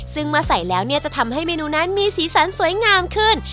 ซึ่งเมื่อใส่แล้วเนี่ยจะทำให้เมนูนั้นมีสีสันสวยงามขึ้น